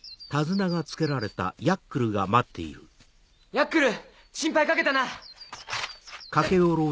ヤックル心配かけたな！